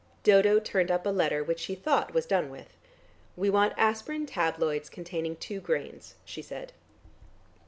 Dodo turned up a letter which she thought was done with. "We want aspirin tabloids containing two grains," she said.